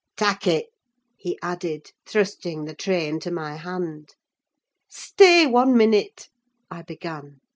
"Tak' it," he added, thrusting the tray into my hand. "Stay one minute," I began.